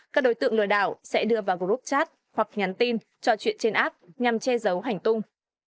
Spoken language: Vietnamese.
các đối tượng lừa đảo sẽ đưa vào group chat hoặc nhắn tin trò chuyện trên app nhằm che giấu hành tung